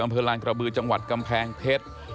อำเภอลานกระบือจังหวัดกำแพงเพชร